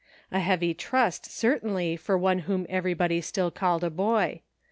A heavy trust certainly for one whom everybody still called a boy.